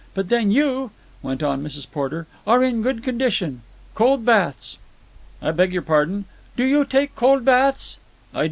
But then you," went on Mrs. Porter, "are in good condition. Cold baths!" "I beg your pardon?" "Do you take cold baths?" "I do."